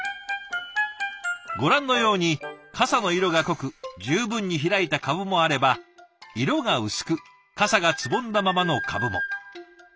ご覧のようにかさの色が濃く十分に開いた株もあれば色が薄くかさがつぼんだままの株も。